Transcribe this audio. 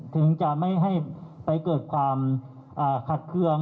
ถึงจะไม่ให้ไปเกิดความขัดเคือง